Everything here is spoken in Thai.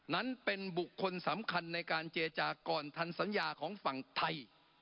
นั้นเป็นบุคคลสำคัญในการเจรจาก่อนทันสัญญาของฝั่งไทย